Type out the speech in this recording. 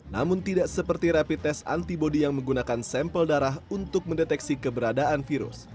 namun tidak seperti rapid test antibody yang menggunakan sampel darah untuk mendeteksi keberadaan virus